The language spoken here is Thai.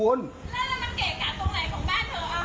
แล้วนำเกรงใจตรงไหนของบ้านเถอะ